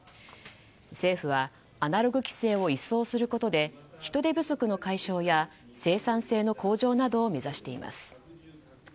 政府はアナログ規制を一掃することで人手不足の解消や生産性の向上などを目指しています。